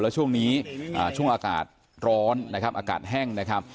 และช่วงนี้ฉุนอากาศร้อนอากาศแห้งนะครับ